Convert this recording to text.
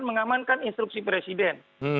mengamankan instruksi presiden